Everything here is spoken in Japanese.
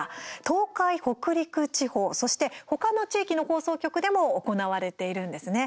東海・北陸地方そして他の地域の放送局でも行われているんです。